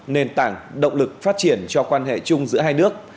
nền tảng động lực phát triển cho quan hệ chung giữa hai nước